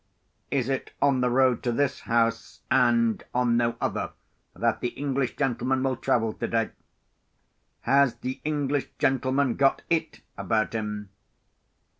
"'Is it on the road to this house, and on no other, that the English gentleman will travel today?' 'Has the English gentleman got It about him?